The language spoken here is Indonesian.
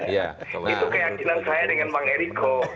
itu keyakinan saya dengan bang eriko